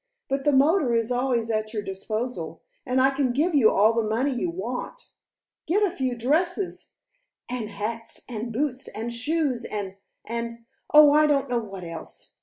But the motor is always at your disposal, and I can give you all the money you want. Get a few dresses " "And hats, and boots, and shoes, and and oh, I don't know what else.